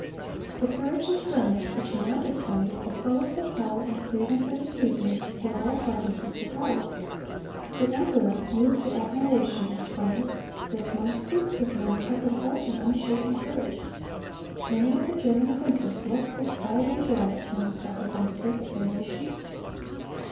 The courage and firmness which he now displayed, as well as the power and clearness of his reasoning, filled all parties with surprise. The emperor, moved to admiration, exclaimed, "This monk speaks with an intrepid heart and unshaken courage." Many of the German princes looked with pride and joy upon this representative of their nation.